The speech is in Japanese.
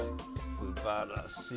すばらしい。